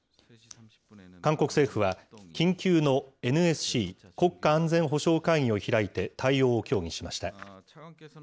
韓国政府は、緊急のＮＳＣ・国家安全保障会議を開いて、対応を協議しました。